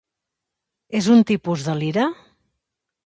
És un tipus de lira?